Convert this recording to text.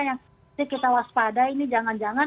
yang kita waspada ini jangan jangan